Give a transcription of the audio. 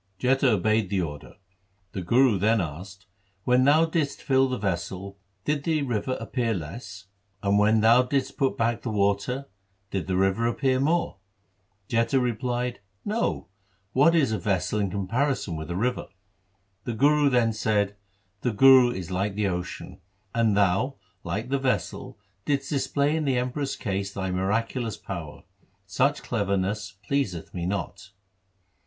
Jetha obeyed the order. The Guru then asked, ' When thou didst fill the vessel did the river appear less ; and when thou didst put back the water did the river appear more ?' Jetha replied, ' No, what is a vessel in comparison with a river ?' The Guru then said, ' The Guru is like the ocean, and thou like the vessel didst display in the Emperor's case thy miraculous power. Such cleverness pleaseth me not.'